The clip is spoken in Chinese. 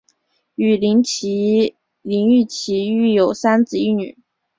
与林堉琪育有三子一女。